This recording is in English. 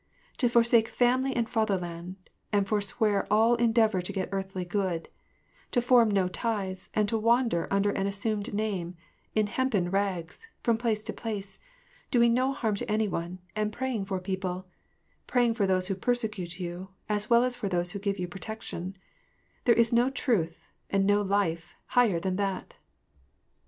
To forsake family and fatherland, and forswear all endeavor to get earthly good ; to form no ties, and to wander under an assumed name, in hempen rags, from place to place, doing no harm to any one, and praying for people, praying for those who persecute you, as well as for those who give you protection ;— there is no truth, and no life, higher than that